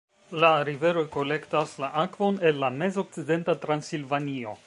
La riveroj kolektas la akvon el la Mez-Okcidenta Transilvanio.